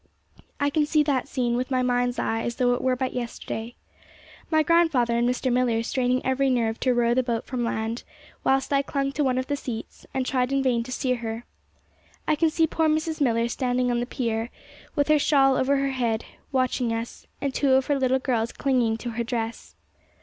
I can see that scene with my mind's eye as though it were but yesterday. My grandfather and Mr. Millar straining every nerve to row the boat from land, whilst I clung on to one of the seats, and tried in vain to steer her. I can see poor Mrs. Millar standing on the pier, with her shawl over her head, watching us, and two of her little girls clinging to her dress.